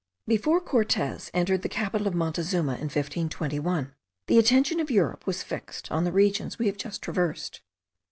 Before Cortez entered the capital of Montezuma in 1521, the attention of Europe was fixed on the regions we have just traversed.